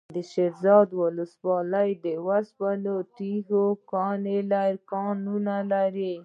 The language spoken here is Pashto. د شیرزاد ولسوالۍ د سپینو تیږو کانونه لري.